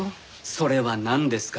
それはなんですか？